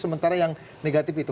sementara yang negatif itu